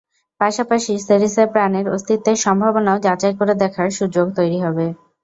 পাশাপাশি সেরিসে প্রাণের অস্তিত্বের সম্ভাবনাও যাচাই করে দেখার সুযোগ তৈরি হবে।